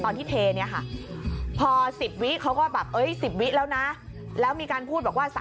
ตอนที่ไทยเนี้ยค่ะพอสิบวิเขาก็แบบเอ่ยสิบวิแล้วนะแล้วมีการพูดว่าสามสิบ